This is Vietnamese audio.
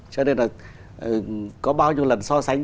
cho nên là có bao nhiêu lần so sánh